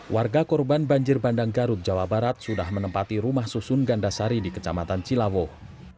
warga korban banjir bandang garut jawa barat sudah menempati rumah susun gandasari di kecamatan cilawuh